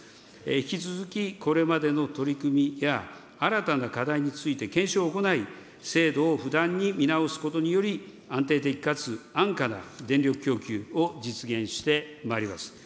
引き続きこれまでの取り組みや新たな課題について検証を行い、制度を不断に見直すことにより、安定的かつ安価な電力供給を実現してまいります。